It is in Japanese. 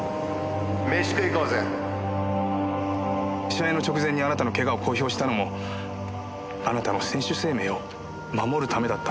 試合の直前にあなたの怪我を公表したのもあなたの選手生命を守るためだったんです。